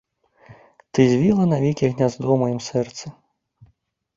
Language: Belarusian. Ты звіла навекі гняздо ў маім сэрцы.